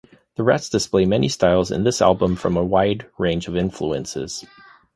The Rats display many styles in this album from a wide range of influences.